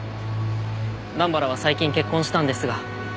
段原は最近結婚したんですが。